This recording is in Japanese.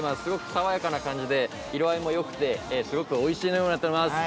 爽やかな感じで色合いもよくてすごくおいしくなっております。